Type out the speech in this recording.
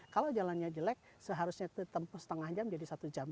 kalau jalannya jelek seharusnya setengah jam jadi satu jam